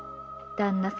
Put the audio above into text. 「旦那様。